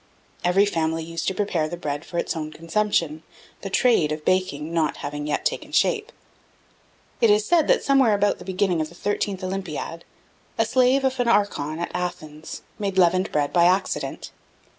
Every family used to prepare the bread for its own consumption, the trade of baking not having yet taken shape. It is said, that somewhere about the beginning of the thirtieth Olympiad, the slave of an archon, at Athens, made leavened bread by accident.